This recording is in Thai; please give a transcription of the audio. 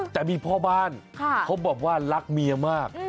แต่มีพ่อบ้านเขาบอกว่ารักเมียมาก